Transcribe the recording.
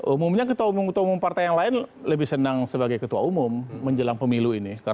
umumnya ketua umum ketua umum partai yang lain lebih senang sebagai ketua umum menjelang pemilu ini